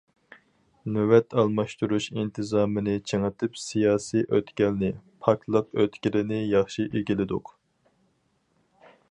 نۆۋەت ئالماشتۇرۇش ئىنتىزامىنى چىڭىتىپ، سىياسىي ئۆتكەلنى، پاكلىق ئۆتكىلىنى ياخشى ئىگىلىدۇق.